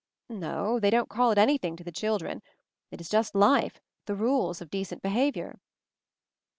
No, they don't call it anything to the children. It is just life, the rules of decent behavior."